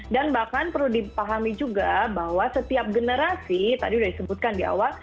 dan bahkan perlu dipahami juga bahwa setiap generasi tadi sudah disebutkan di awal